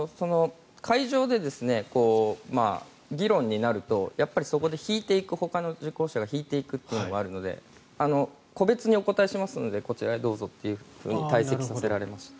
会場で議論になるとやっぱりそこでほかの受講者が引いていくというのがあるので個別にお答えしますのでこちらへどうぞと退席させられました。